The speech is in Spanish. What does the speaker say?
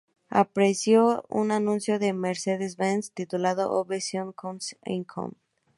Apareció en un anuncio de Mercedes-Benz, titulado 'Obsession con un icono’.